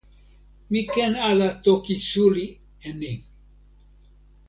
mi ken ala toki suli e ni.